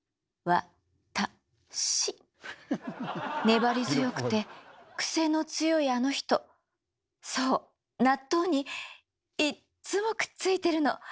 粘り強くてクセの強いあの人そう納豆にいっつもくっついてるの。